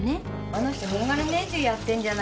あの人年がら年中やってんじゃないかしら？